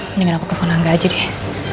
mendingan aku telfon angga aja deh